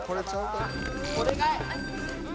お願い！